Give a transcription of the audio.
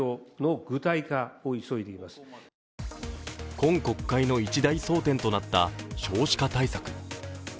今国会の一大争点となった少子化対策。